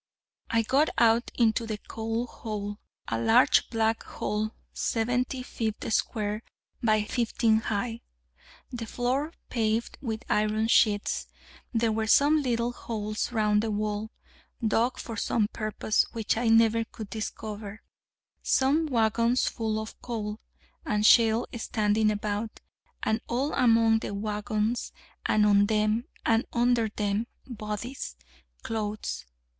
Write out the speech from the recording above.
I got out into the coal hole, a large black hall 70 feet square by 15 high, the floor paved with iron sheets; there were some little holes round the wall, dug for some purpose which I never could discover, some waggons full of coal and shale standing about, and all among the waggons, and on them, and under them, bodies, clothes.